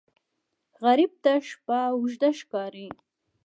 غریب ته شپه اوږده ښکاري